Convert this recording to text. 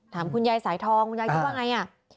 คุณยายสายทองคุณยายคิดว่าไงอ่ะ